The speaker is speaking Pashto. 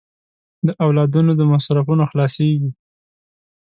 د اولادونو د مصرفونو خلاصېږي.